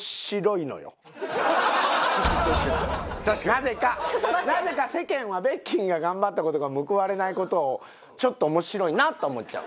なぜかなぜか世間はベッキーが頑張ったことが報われないことをちょっと面白いなと思っちゃう。